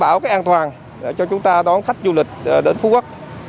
bảo cái an toàn cho chúng ta đón khách du lịch đến phú quốc